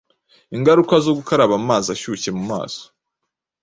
Ingaruka zo gukaraba amazi ashyushye mu maso